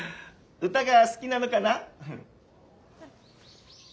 歌が好きなのかな？